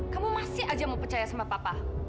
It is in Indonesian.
kamu masih aja mau percaya sama papa